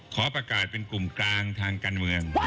ขอประกาศเป็นกลุ่มกลางทางการเมือง